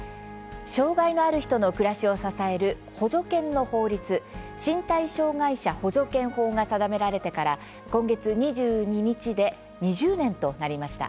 障害のある人の暮らしを支える補助犬の法律身体障害者補助犬法が定められてから今月２２日で２０年となりました。